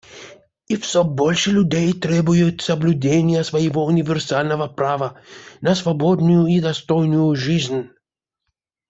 И все больше людей требует соблюдения своего универсального права на свободную и достойную жизнь.